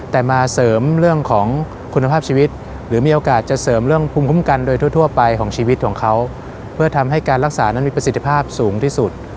แต่มาเสริมเรื่องของคุณภาพชีวิตหรือมีโอกาสจะเสริมเรื่องภูมิคุ้มกันโดยทั่วไปของชีวิตของเขาเพื่อทำให้การรักษานั้นมีประสิทธิภาพสูงที่สุด